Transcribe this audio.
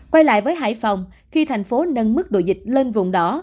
quay lại với hải phòng khi thành phố nâng mức độ dịch lên vùng đỏ